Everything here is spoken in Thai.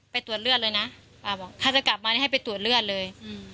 ไปตรวจเลือดเลยนะป้าบอกถ้าจะกลับมานี่ให้ไปตรวจเลือดเลย